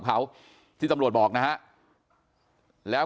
กลุ่มตัวเชียงใหม่